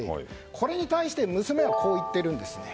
これに対して娘はこう言っているんですね。